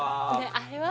あれは？